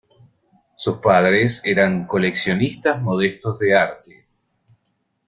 Sus padres eran ¨coleccionistas modestos de arte¨.